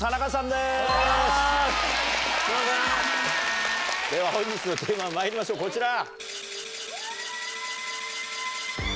では本日のテーマまいりましょうこちら。